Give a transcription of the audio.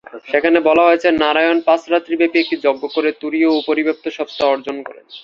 সেখানে বলা হয়েছে, নারায়ণ পাঁচ রাত্রি ব্যাপী একটি যজ্ঞ করে তুরীয় ও পরিব্যাপ্ত সত্ত্বা অর্জন করেন।